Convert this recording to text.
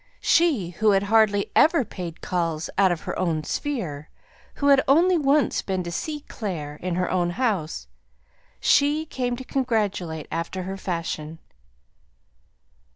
She, who had hardly ever paid calls "out of her own sphere," who had only once been to see "Clare" in her own house she came to congratulate after her fashion.